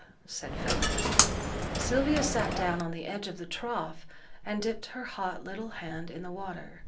said Philip. Sylvia sate down on the edge of the trough, and dipped her hot little hand in the water.